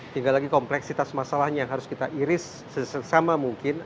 tinggal lagi kompleksitas masalahnya yang harus kita iris sesama mungkin